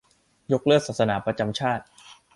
- ยกเลิกศาสนาประจำชาติ